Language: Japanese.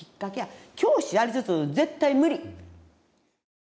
教師やりつつ絶対無理。